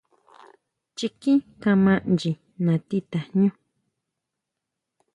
Chikín kama ʼnyi natí tajñú.